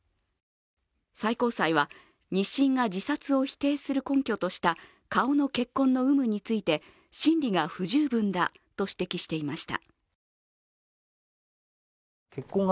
最高裁は、２審が自殺を否定する根拠とした顔の血痕の有無について、審理が不十分だと指摘していました。